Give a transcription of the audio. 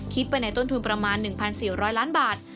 ไปในต้นทุนประมาณ๑๔๐๐ล้านบาท